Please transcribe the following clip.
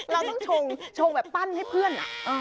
เราต้องชงแบบปั้นให้เพื่อน